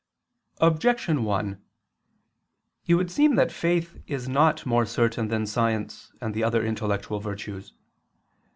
Objection 1: It would seem that faith is not more certain than science and the other intellectual virtues.